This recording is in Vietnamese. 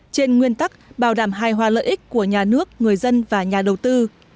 trên nguyên tắc bảo đảm hài hòa lợi ích của nhà nước người dân và nhà đầu tư